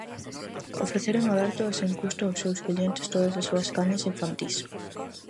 Ofrecer en aberto e sen custo aos seus clientes todas as súas canles infantís.